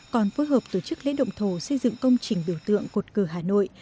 còn phối hợp tổ chức lễ động thổ xây dựng công trình biểu tượng cột cử hà nội